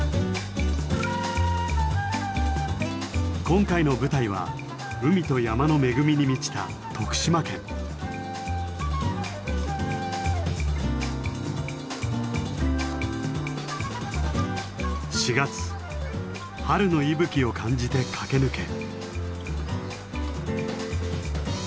今回の舞台は海と山の恵みに満ちた４月春の息吹を感じて駆け抜け。